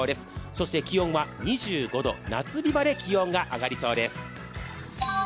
そして気温は２５度、夏日まで気温が上がりそうです。